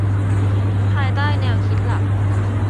ภายใต้แนวคิดหลัก